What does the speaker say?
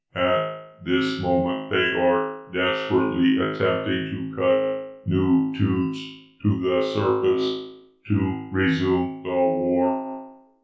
At this moment they are desperately attempting to cut new Tubes to the surface, to resume the war.